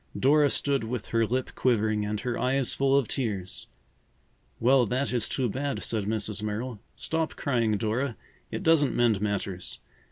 Dora stood with her lip quivering and her eyes full of tears. "Well, that is too bad," said Mrs. Merrill. "Stop crying, Dora; it doesn't mend matters.